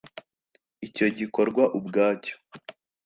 Icyo gikorwa ubwacyo